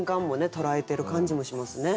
捉えてる感じもしますね。